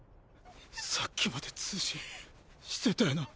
さっきまで通信してたよな。